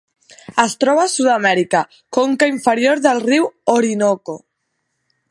Es troba a Sud-amèrica: conca inferior del riu Orinoco.